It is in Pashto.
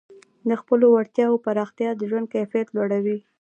د خپلو وړتیاوو پراختیا د ژوند کیفیت لوړوي.